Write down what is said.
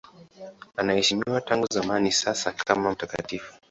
Anaheshimiwa tangu zamani sana kama mtakatifu.